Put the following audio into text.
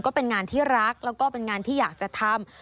ก็เป็นงานที่รักแล้วก็เป็นงานที่อยากจะทำ